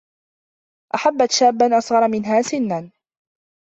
أحبت شابا أصغر منها سنا.